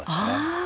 ああ！